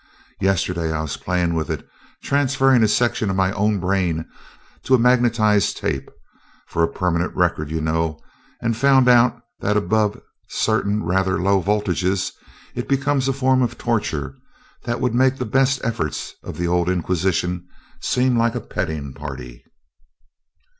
Yesterday, I was playing with it, transferring a section of my own brain to a magnetized tape for a permanent record, you know and found out that above certain rather low voltages it becomes a form of torture that would make the best efforts of the old Inquisition seem like a petting party."